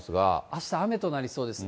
あした雨となりそうです。